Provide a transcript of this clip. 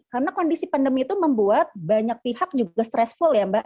karena kondisi pandemi itu membuat banyak pihak juga stressful ya mbak